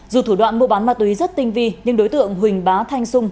dù thủ đoạn mua bán ma túy rất tinh vi nhưng đối tượng huỳnh bá thanh sung